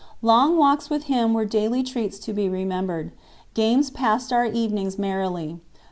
Long walks with him were daily treats to be remembered. Games passed our evenings merrily.